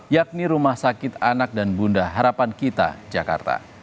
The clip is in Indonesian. yakni rumah sakit anak dan bunda harapan kita jakarta